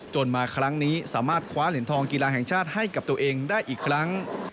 มาครั้งนี้สามารถคว้าเหรียญทองกีฬาแห่งชาติให้กับตัวเองได้อีกครั้ง